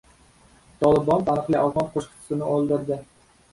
Tolibon taniqli afg‘on qo‘shiqchisini o‘ldirdi